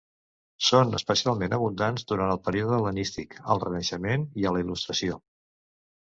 Són especialment abundants durant el període hel·lenístic, al Renaixement i a la Il·lustració.